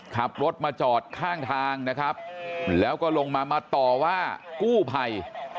ขับรถมาจอดข้างทางนะครับแล้วก็ลงมามาต่อว่ากู้ภัย